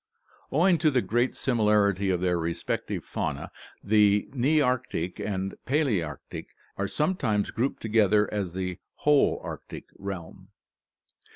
Owing to the great similarity of their respective faunae the Nearctic and Palearctic are sometimes grouped together as the Holarctic (Gr. oXjos, entire) realm.